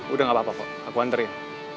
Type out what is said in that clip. udah gak apa apa kok aku anterin